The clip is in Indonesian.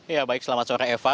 ya baik selamat sore eva